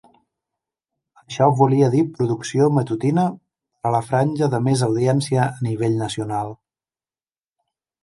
Això volia dir producció matutina per a la franja de mes audiència a nivell nacional.